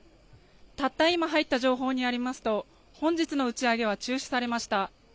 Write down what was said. たった今入った情報によりますと本日の打ち上げは中止されました。